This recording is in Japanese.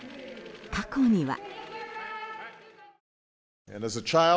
過去には。